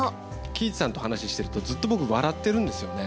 貴一さんと話してると、ずっと僕、笑ってるんですよね。